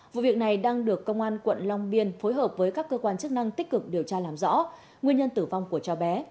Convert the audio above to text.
vụ việc này đang được công an quận long biên phối hợp với các cơ quan chức năng tích cực điều tra làm rõ nguyên nhân tử vong của cháu bé